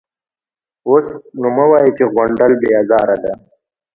_اوس نو مه وايه چې غونډل بې ازاره دی.